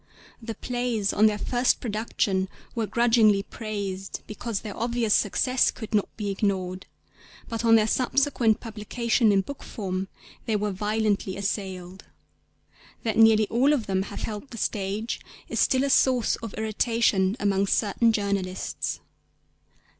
The plays on their first production were grudgingly praised because their obvious success could not be ignored; but on their subsequent publication in book form they were violently assailed. That nearly all of them have held the stage is still a source of irritation among certain journalists.